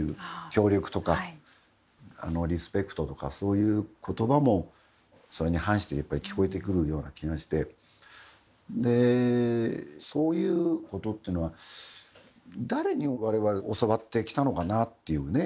協力とかリスペクトとかそういうことばもそれに反してやっぱり聞こえてくるような気がしてそういうことっていうのは誰にわれわれ教わってきたのかなっていうね。